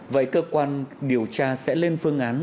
vậy cơ quan điều tra sẽ lên phương án